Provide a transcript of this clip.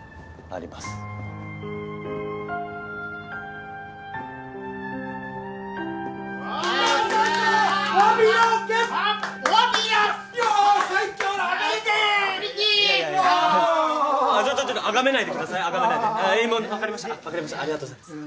ありがとうございます。